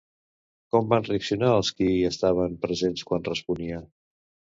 Com van reaccionar els qui estaven presents quan responia?